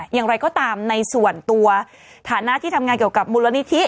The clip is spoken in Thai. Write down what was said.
อย่างไรก็ตามในส่วนตัวฐานะที่ทำงานเกี่ยวกับมูลนิธิ